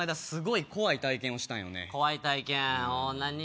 すごい怖い体験をしたんよね怖い体験何？